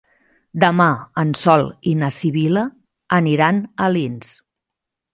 Demà en Sol i na Sibil·la aniran a Alins.